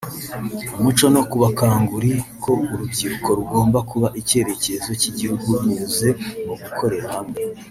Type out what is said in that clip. umuco no kubakanguri ko urubyiruko rugomba kuba icyerekezo cy’igihugu binyuze mu gukorera hamwe